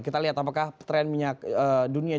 kita lihat apakah tren minyak dunia